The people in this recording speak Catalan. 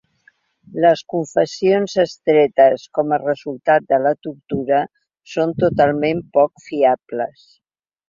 Les confessions extretes com a resultat de la tortura són totalment poc fiables.